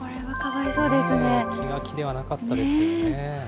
気が気ではなかったですよね。